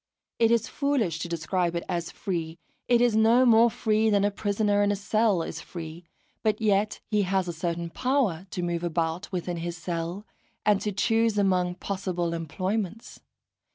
It is foolish to describe it as free; it is no more free than a prisoner in a cell is free; but yet he has a certain power to move about within his cell, and to choose among possible employments.